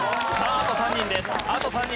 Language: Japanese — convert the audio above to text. あと３人です。